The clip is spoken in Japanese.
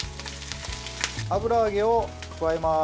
油揚げを加えます。